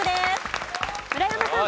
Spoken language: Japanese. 村山さん。